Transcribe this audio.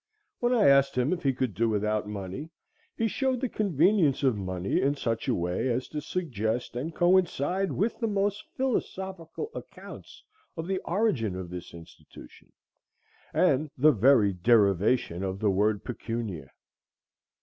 When I asked him if he could do without money, he showed the convenience of money in such a way as to suggest and coincide with the most philosophical accounts of the origin of this institution, and the very derivation of the word pecunia.